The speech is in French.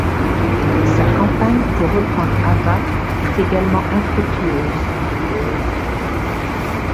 Sa campagne pour reprendre Ava fut également infructueuse.